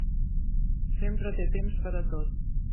Sempre té temps per a tot.